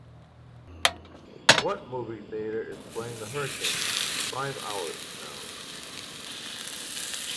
What movie theatre is palying The Hurricane five hours from now